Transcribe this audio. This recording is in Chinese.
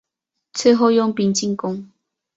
最后用兵进攻。